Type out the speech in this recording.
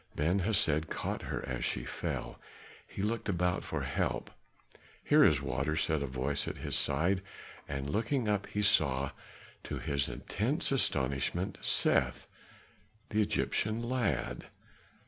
Ben Hesed caught her as she fell; he looked about him for help. "Here is water," said a voice at his side, and looking up he saw, to his intense astonishment, Seth, the Egyptian lad.